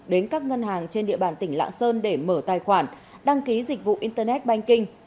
đến các ngân hàng trên địa bàn tỉnh lạng sơn để mở tài khoản đăng ký dịch vụ internet banking